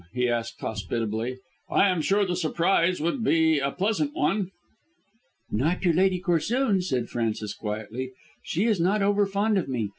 he asked hospitably. "I'm sure the surprise would be a pleasant one." "Not to Lady Corsoon," said Frances quietly. "She is not over fond of me.